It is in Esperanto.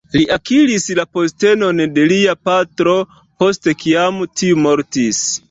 Li akiris la postenon de lia patro post kiam tiu mortis.